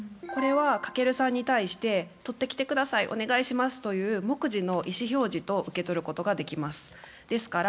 これは翔さんに対して「取ってきて下さいお願いします」という黙示の意思表示と受け取ることができます。